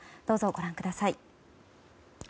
どうぞ、ご覧ください。